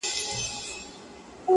دغو څلورو کلونو مي